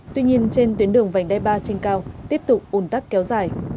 tuy nhiên trên tuyến đường vành đai ba trên cao tiếp tục ủn tắc kéo dài